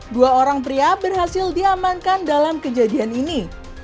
dua orang pria berhasil diamankan dalam kejadian ini